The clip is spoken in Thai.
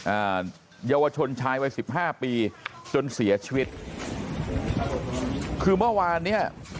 อ่าเยาวชนชายวัยสิบห้าปีจนเสียชีวิตคือเมื่อวานเนี้ย